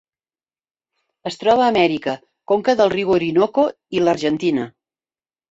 Es troba a Amèrica: conca del riu Orinoco i l'Argentina.